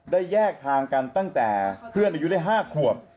แยกทางกันตั้งแต่เพื่อนอายุได้๕ขวบ